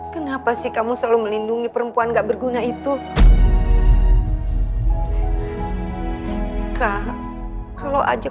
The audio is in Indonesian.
kenapa kamu selalu melindungi perempuan yang tidak berguna